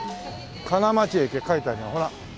「金町駅」って書いてあるほら。